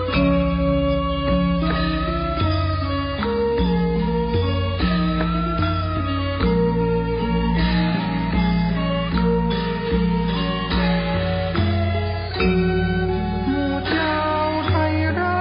ทรงเป็นน้ำของเรา